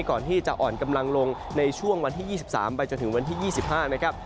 ก่อนที่จะอ่อนกำลังลงในช่วงวันที่๒๓ไปจนถึงวันที่๒๕นะครับ